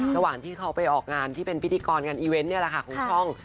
ระหว่างที่เขาไปออกงานที่เป็นพิธีกรการอีเวนต์ของช่อง